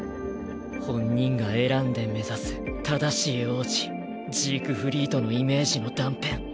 本人が選んで目指す正しい王子ジークフリートのイメージの断片。